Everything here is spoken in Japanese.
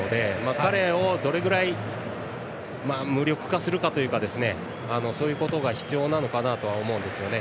彼をどれくらい無力化するかというかそういうことが必要なのかなと思いますね。